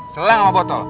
selang sama botol